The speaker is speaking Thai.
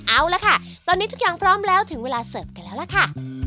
เอาละค่ะตอนนี้ทุกอย่างพร้อมแล้วถึงเวลาเสิร์ฟกันแล้วล่ะค่ะ